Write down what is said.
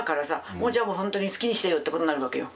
もうじゃあほんとに好きにしてよってことになるわけよ。